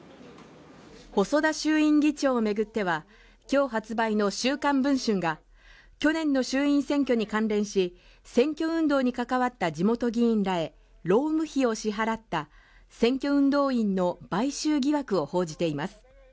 細田衆院議長をめぐっては今日発売の「週刊文春」が去年の衆院選挙に関連し選挙運動に関わった地元議員らへ労務費を支払った選挙運動員の買収疑惑を報じています